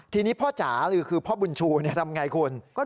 ทีนี้พ่อจ๋าหรือคือพ่อบุญชูทำอย่างไรคุณ